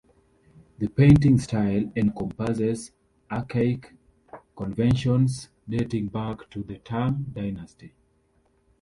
The painting's style encompasses archaic conventions dating back to the Tang Dynasty.